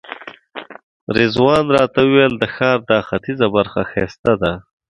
رضوان راته وویل د ښار دا ختیځه برخه ښایسته ده.